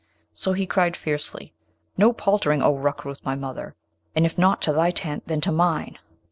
So he cried fiercely, 'No paltering, O Rukrooth, my mother: and if not to thy tent, then to mine!'